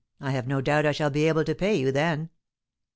I have no doubt I shall be able to pay you then."